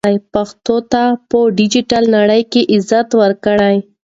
پښتو ته په ډیجیټل نړۍ کې عزت ورکړئ.